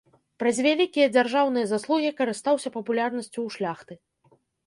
Праз вялікія дзяржаўныя заслугі карыстаўся папулярнасцю ў шляхты.